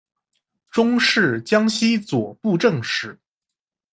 终仕江西左布政使。